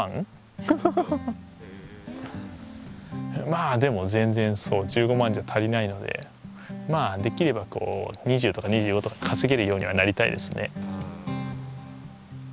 まあでも全然１５万じゃ足りないのでまあできればこう２０とか２５とか稼げるようにはなりたいですね。